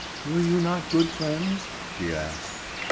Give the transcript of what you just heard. "Were you not good friends?" she asked.